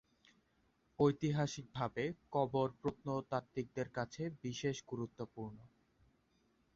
ঐতিহাসিকভাবে কবর প্রত্নতাত্ত্বিকদের কাছে বিশেষ গুরুত্বপূর্ণ।